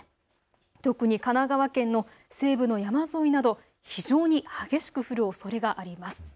特に神奈川県の西部の山沿いなど非常に激しく降るおそれがあります。